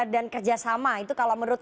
dan kerjasama itu kalau menurut